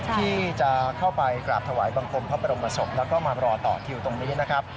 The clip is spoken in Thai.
ที่จะเข้าไปกราบถวายบังคมพระบรมศพแล้วก็มารอต่อคิวตรงนี้นะครับ